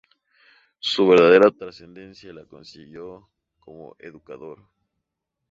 Su verdadera trascendencia la consiguió cómo educador.